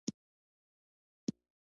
د موبایل اپلیکیشنونو جوړونکي ځوانان دي.